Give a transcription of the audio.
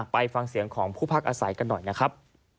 ไปฟังเสียงของผู้พักอาศัยกันหน่อยนะครับ